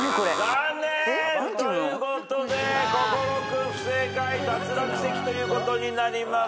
残念！ということで心君不正解脱落席ということになります。